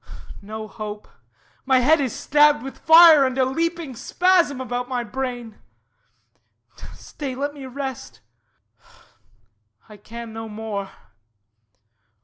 No hope. My head is stabbed with fire, And a leaping spasm about my brain. Stay, let me rest. I can no more.